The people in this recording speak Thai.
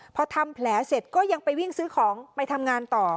พอทำแผลเสร็จก็ยังไปวิ่งซื้อของไปทำงานต่อ